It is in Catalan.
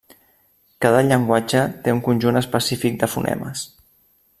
Cada llenguatge té un conjunt específic de fonemes.